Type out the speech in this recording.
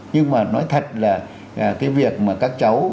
nhưng mà nói thật là cái việc mà các cháu